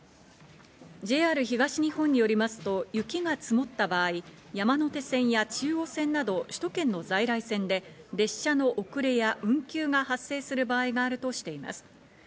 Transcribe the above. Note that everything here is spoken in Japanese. ＪＲ東日本によりますと、雪が積もった場合、山手線や中央線など、首都圏の在来線で列車の遅れや運休が発生する場合があるとしています。